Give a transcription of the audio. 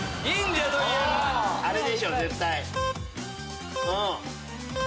あれでしょ絶対。